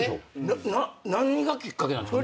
何がきっかけなんですか？